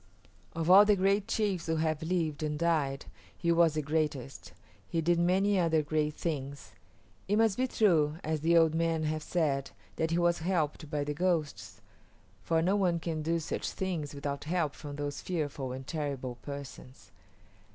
Of all the great chiefs who have lived and died he was the greatest. He did many other great things. It must be true, as the old men have said, that he was helped by the ghosts, for no one can do such things without help from those fearful and terrible persons.